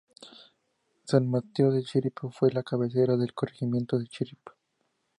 San mateo de Chirripó fue la cabecera del Corregimiento de Chirripó.